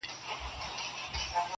نه یې ختم تر مابین سول مجلسونه-